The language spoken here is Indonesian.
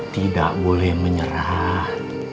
tidak boleh menyerah